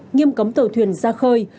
nghiêm cấm tàu thuyền ra khơi